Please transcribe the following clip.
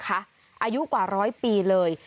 อายุกว่า๑๐๐ปีเลย